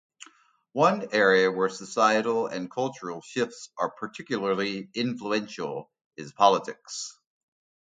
One area where societal and cultural shifts are particularly influential is politics.